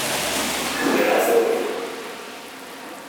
Ḥemmleɣ At Uqbu.